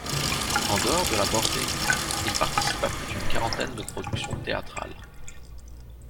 En dehors de la Bordée, il participe à plus d'une quarantaine de productions théâtrales.